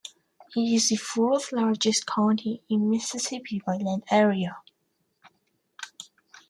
It is the fourth-largest county in Mississippi by land area.